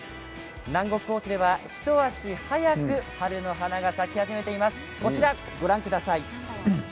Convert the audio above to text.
南国・高知では一足早く春の花が咲いています。